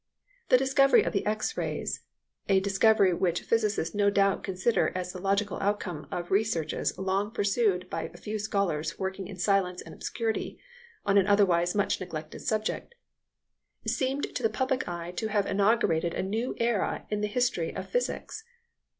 The discovery of the X rays a discovery which physicists no doubt consider as the logical outcome of researches long pursued by a few scholars working in silence and obscurity on an otherwise much neglected subject seemed to the public eye to have inaugurated a new era in the history of physics.